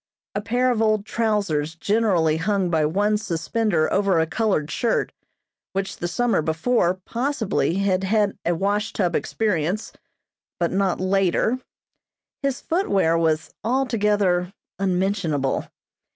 A pair of old trousers generally hung by one suspender over a colored shirt, which, the summer before, possibly, had had a wash tub experience, but not later; his footwear was altogether unmentionable.